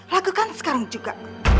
lakukan sekarang juga